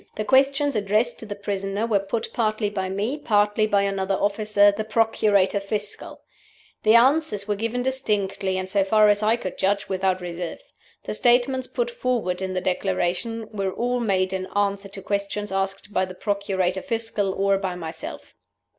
The questions addressed to the prisoner were put partly by me, partly by another officer, the procurator fiscal. The answers were given distinctly, and, so far as I could judge, without reserve. The statements put forward in the Declaration were all made in answer to questions asked by the procurator fiscal or by myself."